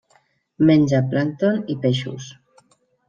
Menja plàncton i peixos.